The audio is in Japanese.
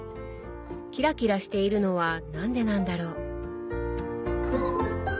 キラキラしているのは何でなんだろう？